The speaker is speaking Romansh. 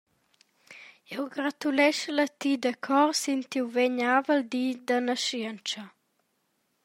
Jeu gratuleschel a ti da cor sin tiu vegnavel di da naschientscha.